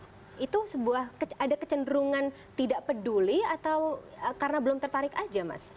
jadi ada sebuah kecenderungan tidak peduli atau karena belum tertarik aja mas